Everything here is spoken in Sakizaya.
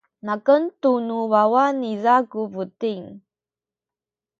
makan tu nu wawa niza ku buting.